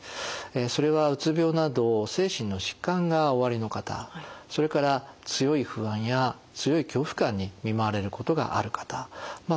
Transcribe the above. それはうつ病など精神の疾患がおありの方それから強い不安や強い恐怖感に見舞われることがある方まあ